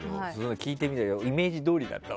聞いてみたけどイメージどおりだったわ。